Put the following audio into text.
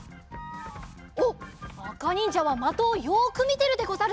おっあかにんじゃはまとをよくみてるでござるぞ。